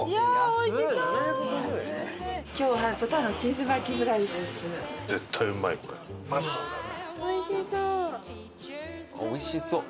おいしそう！